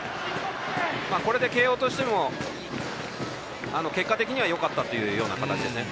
これで慶応としても結果的にはよかったというような形ですね。